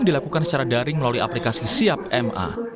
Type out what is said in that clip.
dilakukan secara daring melalui aplikasi siapma